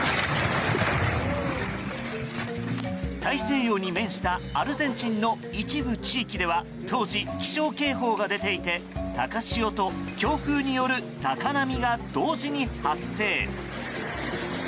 大西洋に面したアルゼンチンの一部地域では当時、気象警報が出ていて高潮と強風による高波が同時に発生。